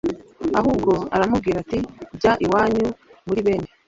ahubwo aramubwira ati jya iwanyu muri bene